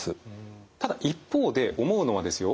ただ一方で思うのはですよ